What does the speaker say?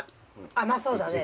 甘そうだね。